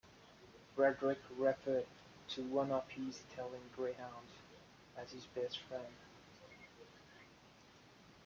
Frederick referred to one of his Italian Greyhounds as his best friend.